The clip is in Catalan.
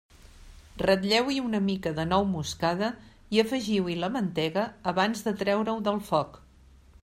Ratlleu-hi una mica de nou moscada i afegiu-hi la mantega abans de treure-ho del foc.